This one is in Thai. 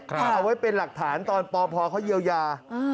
เอาไว้เป็นหลักฐานตอนปพเขาเยียวยา